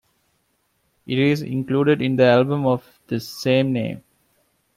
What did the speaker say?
It is included in the album of the same name.